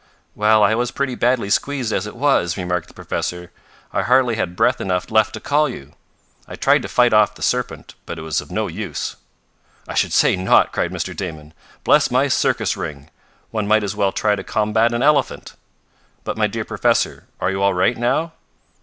"Well, I was pretty badly squeezed as it was," remarked the professor. "I hardly had breath enough left to call to you. I tried to fight off the serpent, but it was of no use." "I should say not!" cried Mr. Damon. "Bless my circus ring! one might as well try to combat an elephant! But, my dear professor, are you all right now?"